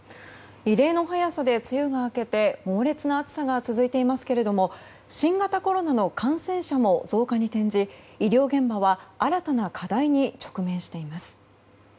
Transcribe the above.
異例の早さで梅雨が明けて猛烈な暑さが続いていますが新型コロナの感染者も増加に転じ医療現場は新たな課題に直面しています。